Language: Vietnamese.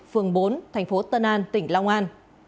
phường bốn thành phố tân an tỉnh long an